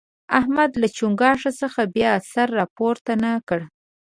احمد له چينګاښ څخه بیا سر راپورته نه کړ.